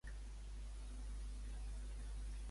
Què esperen els socialistes?